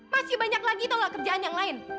masih banyak lagi tau nggak kerjaan yang lain